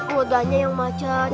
udah aja yang macet